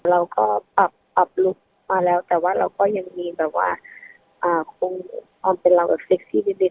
เราก็ปรับลุงมาแล้วแต่ว่าเราก็ยังมีความเป็นเรากับเซ็กซี่ดิด